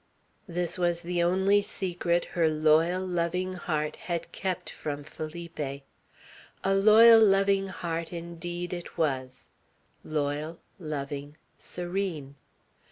This was the only secret her loyal, loving heart had kept from Felipe. A loyal, loving heart indeed it was, loyal, loving, serene.